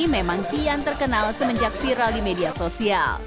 memang kian terkenal semenjak viral di media sosial